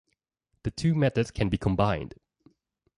The two methods can be combined.